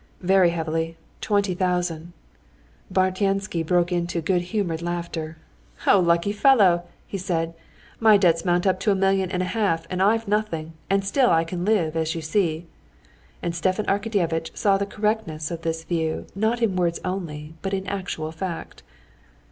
"Very heavily: twenty thousand." Bartnyansky broke into good humored laughter. "Oh, lucky fellow!" said he. "My debts mount up to a million and a half, and I've nothing, and still I can live, as you see!" And Stepan Arkadyevitch saw the correctness of this view not in words only but in actual fact.